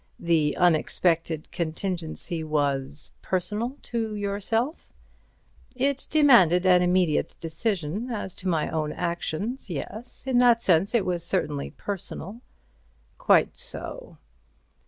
The unexpected contingency was—personal to yourself?" "It demanded an immediate decision as to my own actions yes, in that sense it was certainly personal." "Quite so.